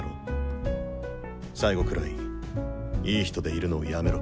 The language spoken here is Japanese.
最後くらいいい人でいるのをやめろ。